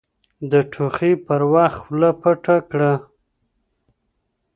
د ټوخي پر وخت خوله پټه کړه